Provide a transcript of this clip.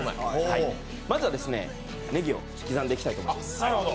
まずはですね、ねぎを刻んでいきたいと思います。